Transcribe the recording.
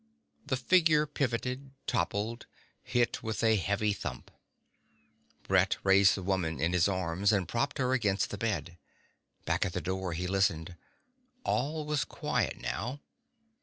The figure pivoted, toppled, hit with a heavy thump. Brett raised the woman in his arms and propped her against the bed. Back at the door he listened. All was quiet now.